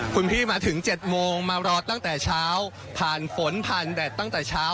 คุณพี่มาถึง๗โมงมารอตั้งแต่เช้าผ่านฝนผ่านแดดตั้งแต่เช้า